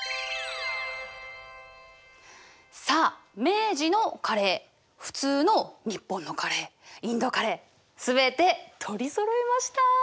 さあ明治のカレー普通の日本のカレーインドカレー全て取りそろえました。